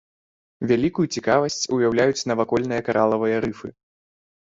Вялікую цікавасць уяўляюць навакольныя каралавыя рыфы.